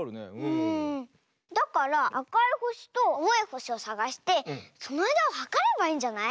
だからあかいほしとあおいほしをさがしてそのあいだをはかればいいんじゃない？